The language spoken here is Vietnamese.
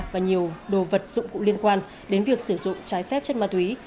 và nhiều đồ vật dụng cụ liên quan đến việc sử dụng trái phép chất ma túy